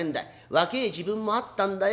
若え時分もあったんだよ。